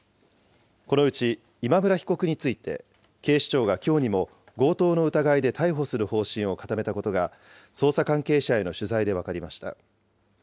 このうち今村被告について、警視庁がきょうにも強盗の疑いで逮捕する方針を固めたことが、捜査関係者への取材で分かりました。